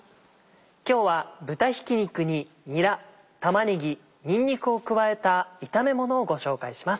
今日は豚ひき肉ににら玉ねぎにんにくを加えた炒め物をご紹介します。